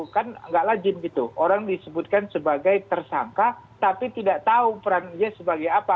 kan nggak lajin gitu orang disebutkan sebagai tersangka tapi tidak tahu perannya sebagai apa